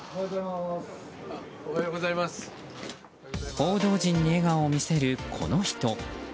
報道陣に笑顔を見せるこの人。